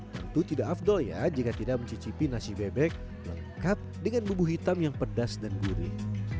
tentu tidak afdol ya jika tidak mencicipi nasi bebek lengkap dengan bumbu hitam yang pedas dan gurih